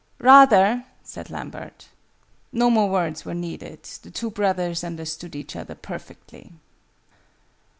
"Rather," said Lambert. No more words were needed: the two brothers understood each other perfectly.